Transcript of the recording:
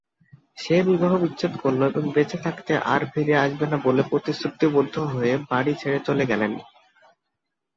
সে বিবাহ বিচ্ছেদ করল এবং বেঁচে থাকতে আর ফিরে আসবে না বলে প্রতিশ্রুতিবদ্ধ হয়ে বাড়ি ছেড়ে চলে গেল।